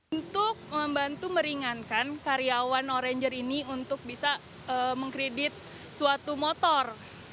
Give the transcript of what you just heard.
untuk membantu meringankan karyawan oranger ini untuk bisa mengkredit suatu motor